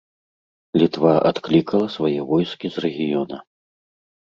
Літва адклікала свае войскі з рэгіёна.